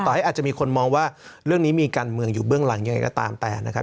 ให้อาจจะมีคนมองว่าเรื่องนี้มีการเมืองอยู่เบื้องหลังยังไงก็ตามแต่นะครับ